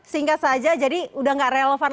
singkat saja jadi udah gak relevan